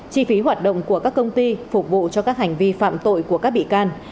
chi phí hoạt động của các công ty phục vụ cho các hành vi phạm tội của các bị can